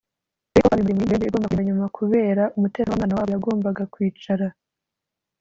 ariko twabimuriye mu yindi ndege igomba kugenda nyuma kubera umutekano w’aho umwana wabo yagombaga kwicara